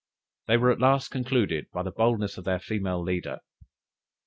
They were at last concluded by the boldness of their female leader.